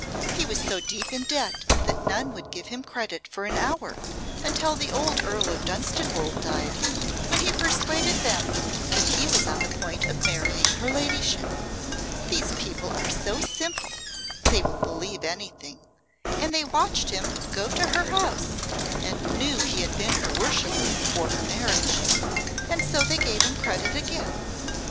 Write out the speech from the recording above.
He was so deep in debt that none would give him credit for an hour, until the old Earl of Dunstanwolde died, when he persuaded them that he was on the point of marrying her ladyship. These people are so simple they will believe anything, and they watched him go to her house and knew he had been her worshipper before her marriage. And so they gave him credit again.